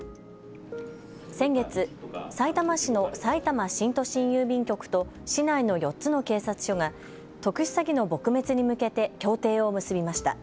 先月、さいたま市のさいたま新都心郵便局と市内の４つの警察署が特殊詐欺の撲滅に向けて協定を結びました。